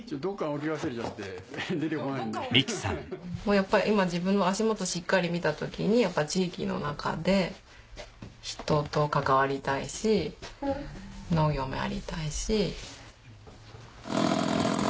やっぱり今自分の足元しっかり見た時にやっぱ地域の中で人と関わりたいし農業もやりたいし。